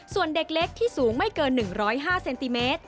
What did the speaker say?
ส่วนเด็กเล็กที่สูงไม่เกิน๑๐๕เซนติเมตร